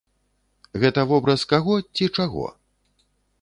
Гэта вобраз каго ці чаго?